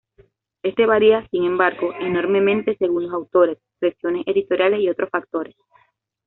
Este varía, sin embargo, enormemente según los autores, presiones editoriales, y otros factores.